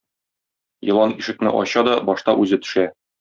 Елан ишекне ача да башта үзе төшә.